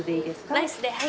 ライスではい。